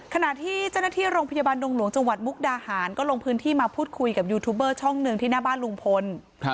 ขณะที่เจ้าหน้าที่โรงพยาบาลดงหลวงจังหวัดมุกดาหารก็ลงพื้นที่มาพูดคุยกับยูทูบเบอร์ช่องหนึ่งที่หน้าบ้านลุงพล